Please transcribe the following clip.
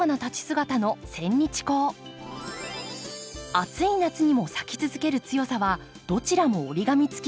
暑い夏にも咲き続ける強さはどちらも折り紙つき。